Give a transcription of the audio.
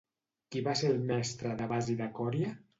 Qui va ser el mestre d'Evasi de Còria?